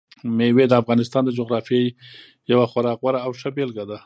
مېوې د افغانستان د جغرافیې یوه خورا غوره او ښه بېلګه ده.